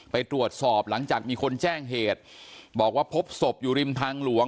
ไปตรวจสอบหลังจากมีคนแจ้งเหตุบอกว่าพบศพอยู่ริมทางหลวง